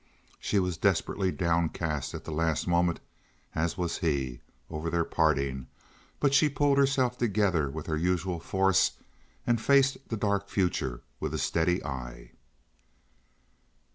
She was desperately downcast at the last moment, as was he, over their parting; but she pulled herself together with her usual force and faced the dark future with a steady eye.